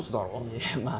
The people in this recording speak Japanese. いやまあ